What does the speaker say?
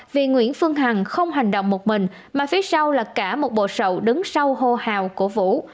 vì nguyễn phương hằng không hành động một mình mà phía sau là cả một bộ sậu đứng sau hô hào cổ vũ